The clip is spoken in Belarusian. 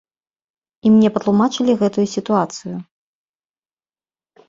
І мне патлумачылі гэтую сітуацыю.